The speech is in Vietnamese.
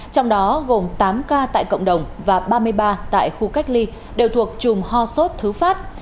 trong đó gồm tám ca tại cộng đồng và ba mươi ba tại khu cách ly đều thuộc chùm ho sốt thứ phát